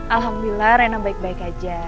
alhamdulillah rena baik baik aja